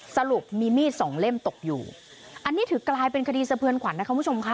สรุปมีมีดสองเล่มตกอยู่อันนี้ถือกลายเป็นคดีสะเทือนขวัญนะคะคุณผู้ชมค่ะ